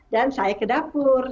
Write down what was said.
dan saya ke dapur